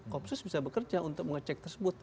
kopsus bisa bekerja untuk mengecek tersebut